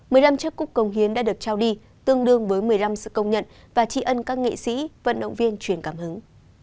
một mươi năm chiếc cúc công hiến đã được trao đi tương đương với một mươi năm sự công nhận và trị ân các nghệ sĩ vận động viên truyền cảm hứng